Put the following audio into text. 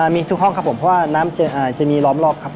มีทุกห้องครับผมเพราะว่าน้ำจะมีล้อมรอบครับ